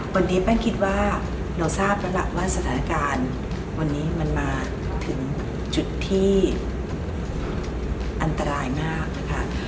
วันนี้แป้งคิดว่าเราทราบแล้วล่ะว่าสถานการณ์วันนี้มันมาถึงจุดที่อันตรายมากนะคะ